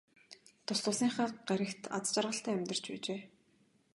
Тус тусынхаа гаригт аз жаргалтай амьдарч байжээ.